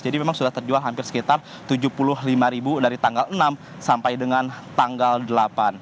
jadi memang sudah terjual hampir sekitar tujuh puluh lima dari tanggal enam sampai dengan tanggal delapan